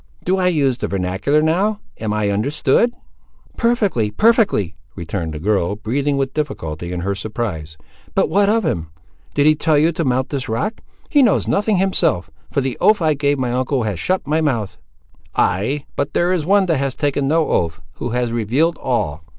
"Do I use the vernacular now,—am I understood?" "Perfectly, perfectly," returned the girl, breathing with difficulty, in her surprise. "But what of him? did he tell you to mount this rock?—he knows nothing, himself; for the oath I gave my uncle has shut my mouth." "Ay, but there is one that has taken no oath, who has revealed all.